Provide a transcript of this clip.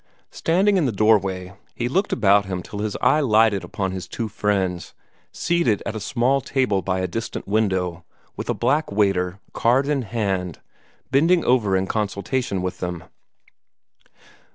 Standing in the doorway, he looked about him till his eye lighted upon his two friends, seated at a small table by a distant window, with a black waiter, card in hand, bending over in consultation with them.